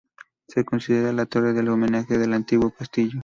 Se considera la torre del homenaje del antiguo castillo.